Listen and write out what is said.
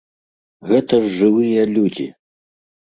Гэта ж жывыя людзі!